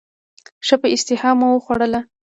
ښه په اشتهامو وخوړله.